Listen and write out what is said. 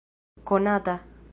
konata